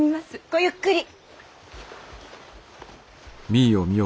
ごゆっくり！